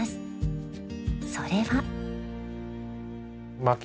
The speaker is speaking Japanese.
それは